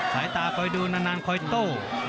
สายตาไปดูนานานคอยโต